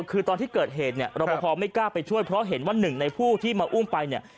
คือตอนที่เกิดเหตุเนี่ยรับประพอไม่กล้าไปช่วยเพราะเห็นว่าหนึ่งในผู้ที่มาอุ้มไปเนี่ย